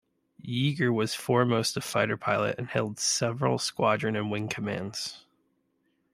Yeager was foremost a fighter pilot and held several squadron and wing commands.